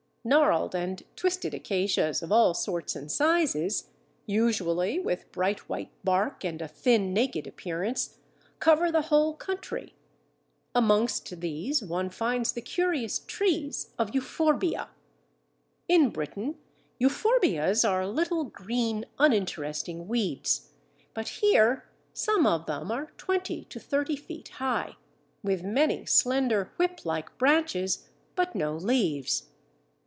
Gnarled and twisted acacias of all sorts and sizes, usually with bright white bark and a thin, naked appearance, cover the whole country. Amongst these one finds the curious trees of Euphorbia. In Britain Euphorbias are little green uninteresting weeds, but here some of them are twenty to thirty feet high, with many slender whip like branches, but no leaves.